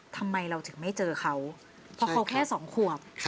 ทำไมเราถึงไม่เจอเขาเพราะเขาแค่๒ขวบ